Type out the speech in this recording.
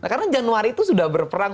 karena januari itu sudah berperang